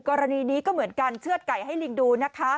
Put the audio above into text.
กรณีนี้ก็เหมือนกันเชื่อดไก่ให้ลิงดูนะคะ